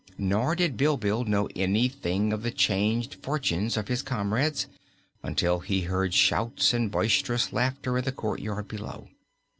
Nor did Bilbil know anything of the changed fortunes of his comrades until he heard shouts and boisterous laughter in the courtyard below.